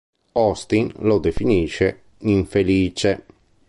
Austin lo definisce infelice.